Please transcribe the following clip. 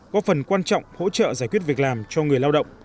có phần quan trọng hỗ trợ giải quyết việc làm cho người lao động